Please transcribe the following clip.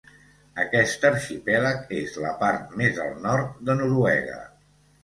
Aquest arxipèlag és la part més al nord de Noruega.